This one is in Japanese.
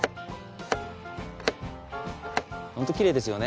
ホントきれいですよね。